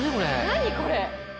何これ？